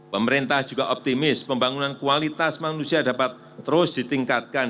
pemerintah juga optimis pembangunan kualitas manusia dapat terus ditingkatkan